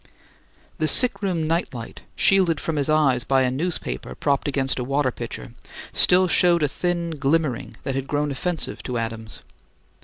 The sick room night light, shielded from his eyes by a newspaper propped against a water pitcher, still showed a thin glimmering that had grown offensive to Adams.